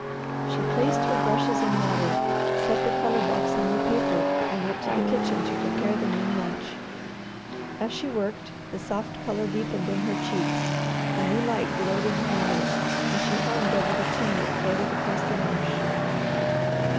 She placed her brushes in water, set the colour box on the paper, and went to the kitchen to prepare the noon lunch. As she worked the soft colour deepened in her cheeks, a new light glowed in her eyes, and she hummed over the tune that floated across the marsh.